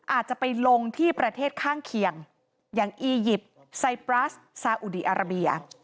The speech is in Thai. อาจจะไปลงที่ประเทศข้างเคียงอย่างอียิปต์ไซปรัสซาอุดีอาราเบีย